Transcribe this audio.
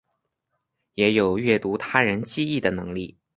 也有阅读他人记忆的能力。